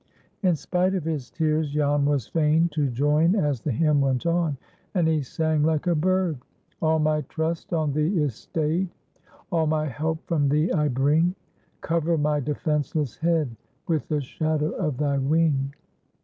In spite of his tears, Jan was fain to join as the hymn went on, and he sang like a bird,— "All my trust on Thee is stayed, All my help from Thee I bring; Cover my defenceless head With the shadow of Thy wing."